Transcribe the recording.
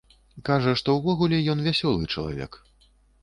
Кажа, што ўвогуле ён вясёлы чалавек.